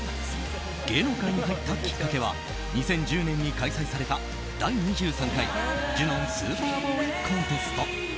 芸能界に入ったきっかけは２０１０年に開催された第２３回ジュノン・スーパーボーイ・コンテスト。